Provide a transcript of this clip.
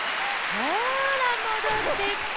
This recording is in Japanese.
ほら戻ってきた！